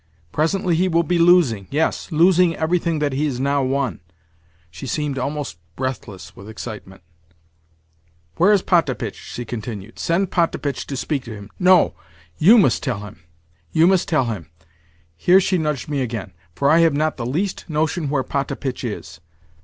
Presently he will be losing—yes, losing everything that he has now won." She seemed almost breathless with excitement. "Where is Potapitch?" she continued. "Send Potapitch to speak to him. No, you must tell him, you must tell him,"—here she nudged me again—"for I have not the least notion where Potapitch is.